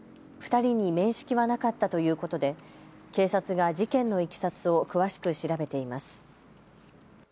２人に面識はなかったということで警察が事件のいきさつを詳しく調べています。